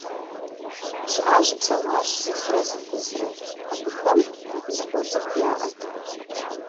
ЩыӀащ-псэуащ зылӀрэ зы фызрэ. Абыхэм зы къуэ цӀыкӀу яӀэт.